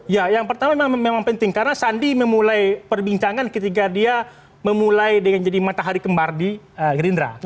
ya yang pertama memang penting karena sandi memulai perbincangan ketika dia memulai dengan jadi matahari kembar di gerindra